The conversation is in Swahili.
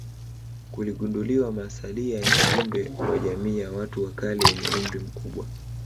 Kuligunduliwa masalia ya viumbe wa jamii ya watu wa kale yenye umri mkubwa